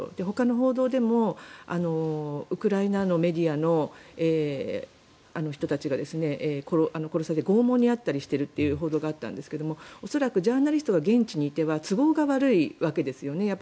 ほかの報道でもウクライナのメディアの人たちが殺されて拷問に遭ったりしているという報道があったんですが恐らくジャーナリストが現地にいては都合が悪いわけですよね。